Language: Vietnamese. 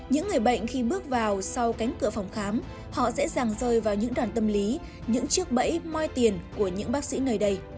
những người bệnh khi bước vào sau cánh cửa phòng khám họ dễ dàng rơi vào những đoàn tâm lý những chiếc bẫy moi tiền của những bác sĩ nơi đây